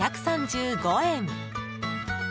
２３５円。